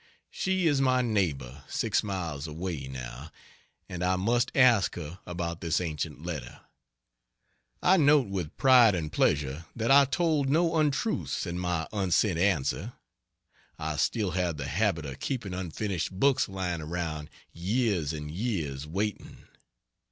She is my neighbor, six miles away, now, and I must ask her about this ancient letter. I note with pride and pleasure that I told no untruths in my unsent answer. I still have the habit of keeping unfinished books lying around years and years, waiting.